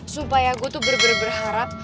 supaya gue tuh berharap